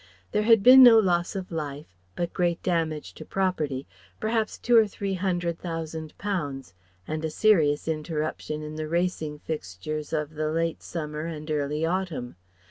There had been no loss of life, but great damage to property perhaps two or three hundred thousand pounds, and a serious interruption in the racing fixtures of the late summer and early autumn.